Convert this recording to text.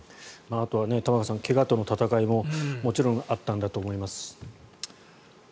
あとは玉川さん怪我との闘いももちろんあったんだと思います。